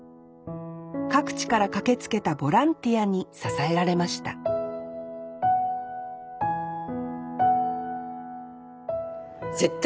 各地から駆けつけたボランティアに支えられました絶対